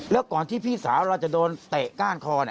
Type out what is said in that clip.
แล้วก่อนที่พี่สาวเราจะโดนเตะก้านคอ